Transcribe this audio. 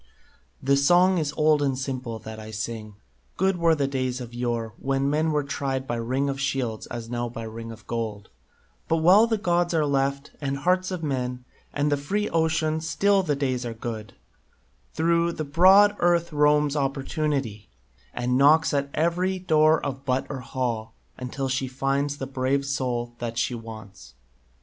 "The song is old and simple that I sing: Good were the days of yore, when men were tried By ring of shields, as now by ring of gold; But, while the gods are left, and hearts of men, And the free ocean, still the days are good; Through the broad Earth roams Opportunity And knocks at every door of hut or hall, Until she finds the brave soul that she wants."